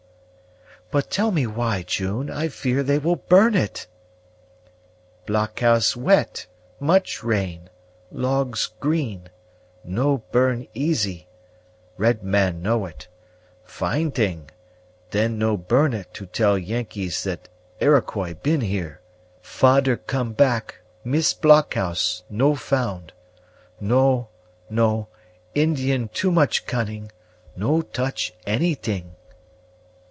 "But tell me why, June; I fear they will burn it." "Blockhouse wet much rain logs green no burn easy. Red man know it fine t'ing then no burn it to tell Yengeese that Iroquois been here. Fader come back, miss blockhouse, no found. No, no; Indian too much cunning; no touch anything."